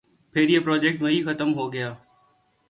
پھر یہ پراجیکٹ وہیں ختم ہو گیا۔